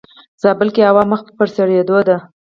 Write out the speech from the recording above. زابل کې هوا مخ پر سړيدو ده.